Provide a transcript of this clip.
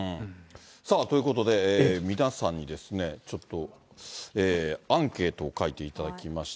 ということで、皆さんにちょっと、アンケートを書いていただきました。